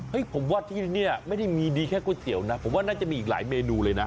ผมว่าที่นี่ไม่ได้มีดีแค่ก๋วยเตี๋ยวนะผมว่าน่าจะมีอีกหลายเมนูเลยนะ